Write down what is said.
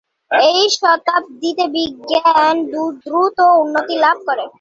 এ শতাব্দীতে বিজ্ঞান দ্রুত উন্নতি লাভ করে।